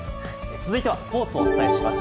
続いては、スポーツをお伝えします。